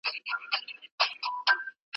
ټولنیز نظام باید د عدل پر بنسټ وي.